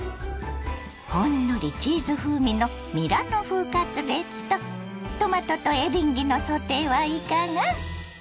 ほんのりチーズ風味のミラノ風カツレツとトマトとエリンギのソテーはいかが？